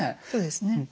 そうですね。